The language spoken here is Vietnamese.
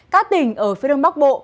các tỉnh ở phía đông bắc bộ